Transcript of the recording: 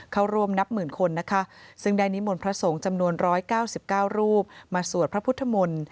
เข้าร่วมนับหมื่นคนนะคะซึ่งได้นิมนต์พระสงฆ์จำนวน๑๙๙รูปมาสวดพระพุทธมนตร์